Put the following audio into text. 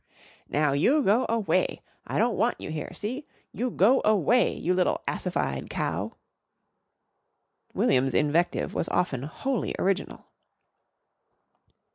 "Now, you go away! I don't want you here. See? You go away you little assified cow!" William's invective was often wholly original.